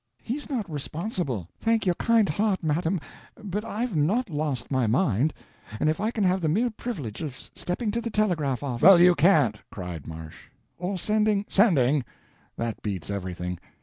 He's not responsible." "Thank your kind heart, madam, but I've not lost my mind; and if I can have the mere privilege of stepping to the telegraph office—" "Well, you can't," cried Marsh. "—or sending—" "Sending! That beats everything.